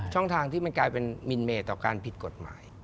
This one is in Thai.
ช่องทางที่มันกลายเป็นมินเมตต่อการผิดกฎหมาย